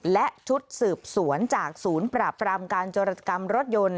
และชุดสืบสวนจากศูนย์ปราบรามการจรกรรมรถยนต์